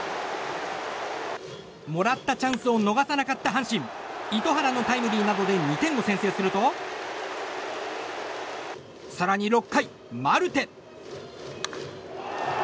もらったチャンスを逃さなかった阪神糸原のタイムリーなどで２点を先制すると更に６回、マルテ。